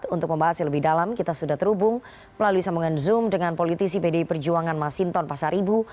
untuk membahas yang lebih dalam kita sudah terhubung melalui sambungan zoom dengan politisi pdi perjuangan masinton pasar ibu